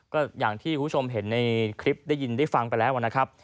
ก็อย่างที่คุณผู้ชมเห็นในคลิปได้ยินได้ฟังไปแล้วนะครับ